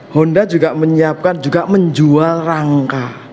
honda juga menyiapkan juga menjual rangka